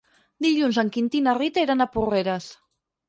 Dilluns en Quintí i na Rita iran a Porreres.